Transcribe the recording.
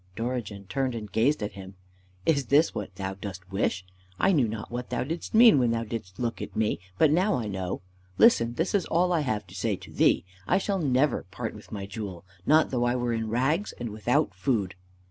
Dorigen turned and gazed at him. "Is this what thou dost wish? I knew not what thou didst mean when thou didst look at me, but now I know. Listen, this is all I have to say to thee. I shall never part with my jewel, not though I were in rags and without food."